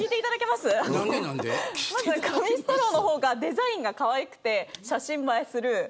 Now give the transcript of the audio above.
まず、紙ストローの方がデザインがかわいくて写真映えする。